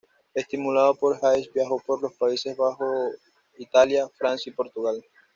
Estimulado por Haes viajó por los Países Bajos, Italia, Francia y Portugal.